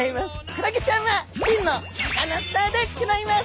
クラゲちゃんは真のサカナスターでギョざいます！